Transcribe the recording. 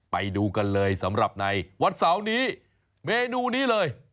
ไปดูกันเลยสำหรับในวันเสาร์นี้เมนูนี้เลย